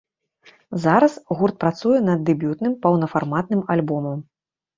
Зараз гурт працуе над дэбютным паўнафарматным альбомам.